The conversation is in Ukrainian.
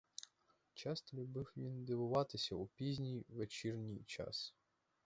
Часто любив він дивуватися у пізній вечірній час.